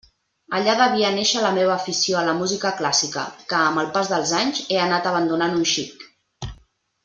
Allà devia néixer la meva afició a la música clàssica que, amb el pas dels anys, he anat abandonant un xic.